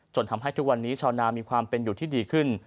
ทำให้ทุกวันนี้ชาวนามีความเป็นอยู่ที่ดีขึ้น